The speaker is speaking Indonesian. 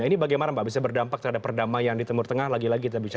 ini bagaimana mbak bisa berdampak terhadap perdamaian di timur tengah lagi lagi kita bicara